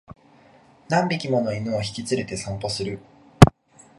何匹もの犬を引き連れて散歩する